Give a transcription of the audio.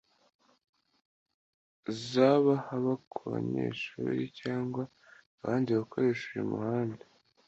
zaba haba ku banyeshuri cyangwa abandi bakoresha uyu muhanda.